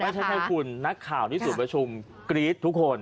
อ๋อไม่ใช่คุณนักข่าวที่สู่ประชุมกรี๊ดทุกคน